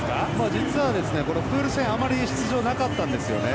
実はプール戦あまり出場なかったんですよね。